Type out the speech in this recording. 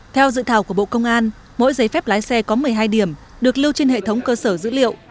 theo dự thảo của bộ công an mỗi giấy phép lái xe có một mươi hai điểm được lưu trên hệ thống cơ sở dữ liệu